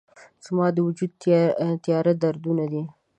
زما د وجود تیاره دردونه دي